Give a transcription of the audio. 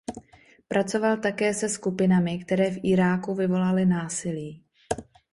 Pracoval také se skupinami, které v Iráku vyvolávaly násilí.